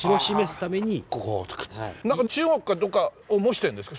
中国かどっかを模してんですか？